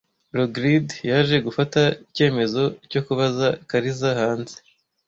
Rogride yaje gufata icyemezo cyo kubaza Kariza hanze.